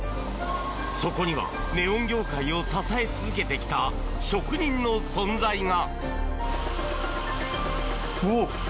そこには、ネオン業界を支え続けてきた職人の存在が。